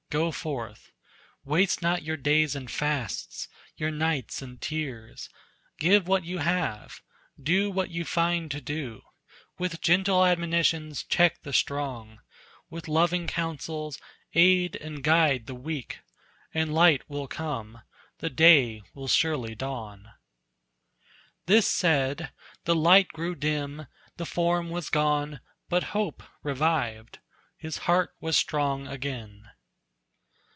go forth! Waste not your days in fasts, your nights in tears! Give what you have; do what you find to do; With gentle admonitions check the strong; With loving counsels aid and guide the weak, And light will come, the day will surely dawn." This said, the light grew dim, the form was gone, But hope revived, his heart was strong again.